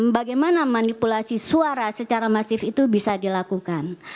bagaimana manipulasi suara secara masif itu bisa dilakukan